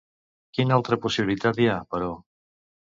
Quina altra possibilitat hi ha, però?